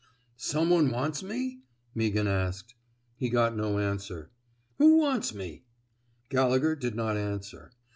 *' Some one wants me? " Meaghan asked. He got no answer. Who wants me? " Gallegher did not answer.